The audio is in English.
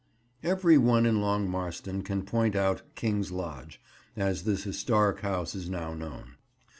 '" Every one in Long Marston can point out "King's Lodge," as this historic house is now known.